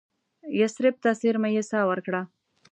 یثرب ته څېرمه یې ساه ورکړه.